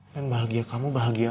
dan bahagia kamu bahagia aku